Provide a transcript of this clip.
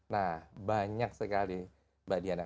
nah banyak sekali mbak diana